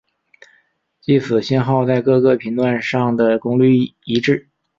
即此信号在各个频段上的功率一致。